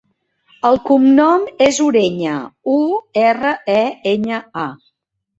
El cognom és Ureña: u, erra, e, enya, a.